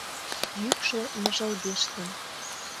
Йӱкшӧ ныжылгештын.